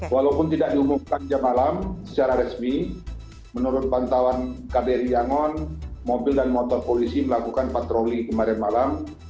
walaupun tidak diumumkan jam malam secara resmi menurut pantauan kbri yangon mobil dan motor polisi melakukan patroli kemarin malam